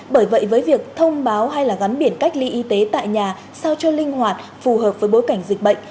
bởi vậy với việc thông báo hay là gắn biển cách ly y tế tại nhà sao cho linh hoạt phù hợp với bối cảnh dịch bệnh